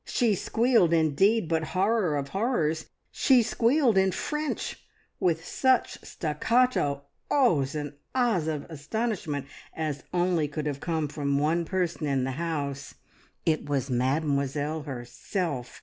She squealed indeed, but horror of horrors! she squealed in French, with such staccato "Oh's" and "Ah's" of astonishment as could only have come from one person in the house. It was Mademoiselle herself!